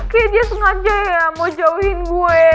kayaknya dia sengaja ya mau jauhin gue